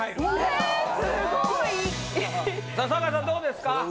どうですか？